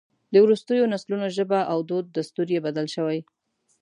د وروستیو نسلونو ژبه او دود دستور یې بدل شوی.